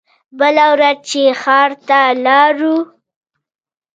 بله ورځ چې ښار ته لاړو.